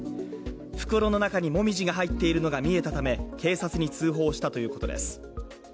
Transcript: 袋の中にもみじが入っているのが見えたため警察に通報したということです。